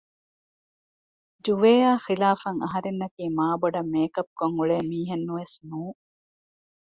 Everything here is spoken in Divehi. ޖުވޭއާ ހިލާފަށް އަހަރެންނަކީ މާބޮޑަށް މޭކަޕް ކޮށް އުޅޭ މީހެއް ނުވެސް ނޫން